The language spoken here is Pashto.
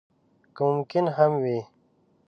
که ممکن هم وي.